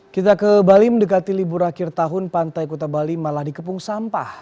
kita ke bali mendekati libur akhir tahun pantai kuta bali malah dikepung sampah